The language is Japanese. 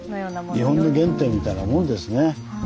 日本の原点みたいなもんですね。